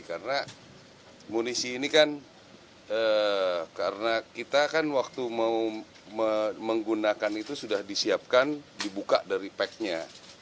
karena munisi ini kan karena kita kan waktu menggunakan itu sudah disiapkan dibuka dari packnya